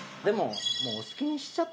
お好きにしちゃって。